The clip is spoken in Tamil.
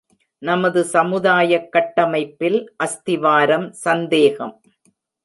நமது சமுதாயக் கட்டமைப்பில் அஸ்திவாரம் சந்தேகம்.